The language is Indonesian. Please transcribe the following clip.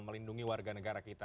melindungi warga negara kita